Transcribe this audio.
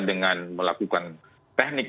dengan melakukan teknik